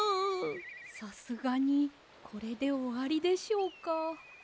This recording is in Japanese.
さすがにこれでおわりでしょうか。